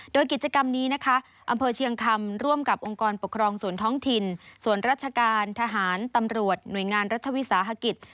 โดยกิจกรรมนี้นะคะอำเภอเชียงคำร่วมกับองค์กรปกครองส่วนท้องถิ่นส่วนราชการทหารตำรวจหน่วยงานรัฐวิสาหกิจ